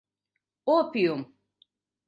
Опиум!